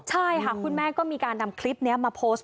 ใช่ค่ะคุณแม่ก็มีการนำคลิปนี้มาโพสต์